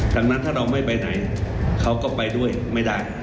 ดังนั้นถ้าเราไม่ไปไหนเขาก็ไปด้วยไม่ได้